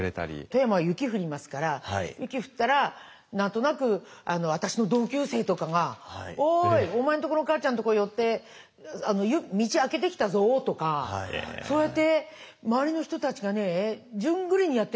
富山は雪降りますから雪降ったら何となく私の同級生とかが「おいお前んとこの母ちゃんとこ寄って道開けてきたぞ」とかそうやって周りの人たちがね順繰りにやって下さったんですよ。